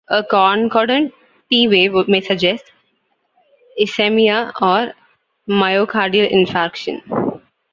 A concordant T wave may suggest ischemia or myocardial infarction.